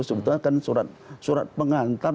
sebetulnya kan surat pengantar